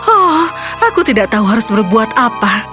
oh aku tidak tahu harus berbuat apa